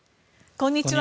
こんにちは。